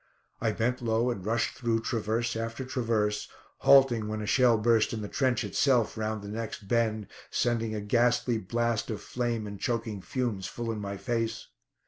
I bent low and rushed through traverse after traverse, halting when a shell burst in the trench itself round the next bend, sending a ghastly blast of flame and choking fumes full in my face.